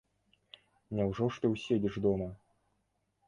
Няўжо ж ты ўседзіш дома?